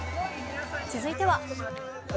続いては。